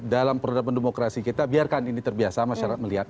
satu dalam pendemokrasi kita biarkan ini terbiasa masyarakat melihat